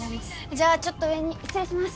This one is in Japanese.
じゃあちょっと上に失礼します。